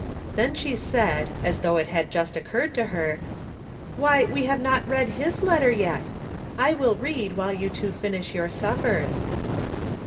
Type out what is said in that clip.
Then she said, as though it had just occurred to her, *' Why, we have not read his letter yet ! I will read while you two finish your suppers."